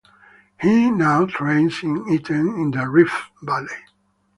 He now trains in Iten in the Rift Valley.